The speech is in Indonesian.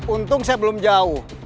untung saya belum jauh